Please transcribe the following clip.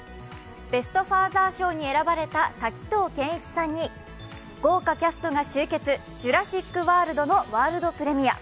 ベスト・ファーザー賞に選ばれた滝藤賢一さんに豪華キャストが集結、「ジュラシック・ワールド」のワールドプレミア。